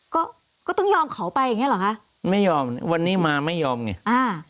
ก็ก็ต้องยอมเขาไปอย่างเงี้เหรอคะไม่ยอมวันนี้มาไม่ยอมไงอ่า